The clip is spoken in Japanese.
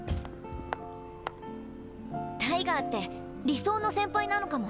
タイガーって理想の先輩なのかも。